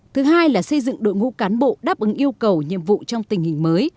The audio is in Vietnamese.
thứ hai là xây dựng đội ngũ cán bộ đáp ứng yêu cầu nhiệm vụ trong tình hình mới